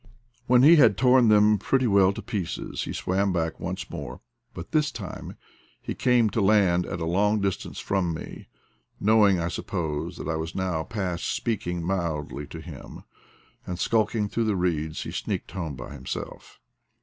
When he had torn them pretty well to pieces he swam back once more, but this time he came to land at a long dis tance from me, knowing, I suppose, that I was now past speaking mildly to him; and, skulking through the reeds, he sneaked home by himself.